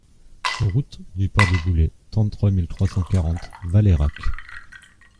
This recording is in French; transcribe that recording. Route du Port de Goulée, trente-trois mille trois cent quarante Valeyrac